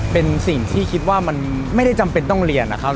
เป็นสิ่งที่คิดว่ามันไม่ได้จำเป็นต้องเรียนนะครับ